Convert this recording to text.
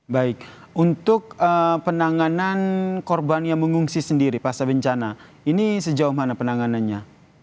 baik untuk penanganan korban yang mengungsi sendiri pasca bencana ini sejauh mana penanganannya